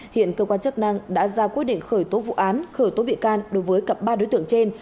hiện cơ quan chức năng đã ra quyết định khởi tố vụ án khởi tố bị can đối với cả ba đối tượng trên